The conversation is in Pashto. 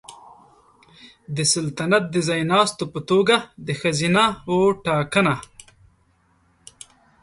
د سلطنت د ځایناستو په توګه د ښځینه وو ټاکنه